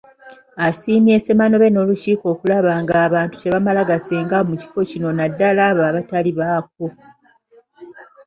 Asiimye Ssemanobe n'olukiiko okulaba ng'abantu tebamala gasenga mu kifo kino naddala abo abatali baakwo.